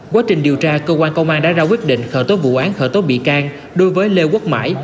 quá trình điều tra cơ quan công an đã ra quyết định khởi tố vụ án khởi tố bị can đối với lê quốc mãi